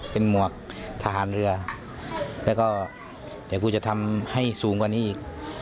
เป็นหมวกทหารเรือแล้วก็เดี๋ยวกูจะทำให้สูงกว่านี้อีก